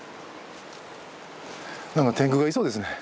なんかてんぐがいそうですね。